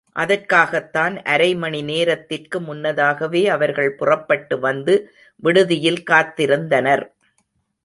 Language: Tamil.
அதற்காகத்தான் அரைமணி நேரத்திற்கு முன்னதாகவே அவர்கள் புறப்பட்டு வந்து விடுதியில் காத்திருந்தனர்.